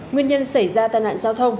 nguyên nhân xảy ra tàn nạn giao thông